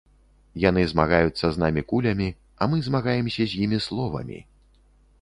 Яны змагаюцца з намі кулямі, а мы змагаемся з імі словамі.